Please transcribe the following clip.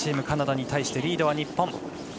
カナダに対してリードは日本。